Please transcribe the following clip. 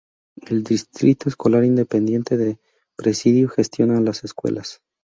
El Distrito Escolar Independiente de Presidio gestiona las escuelas.